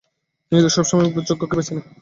নিয়তি সবসময় যোগ্যকে বেছে নেয়।